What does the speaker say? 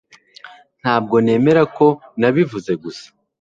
Ntabwo nemera ko nabivuze gusa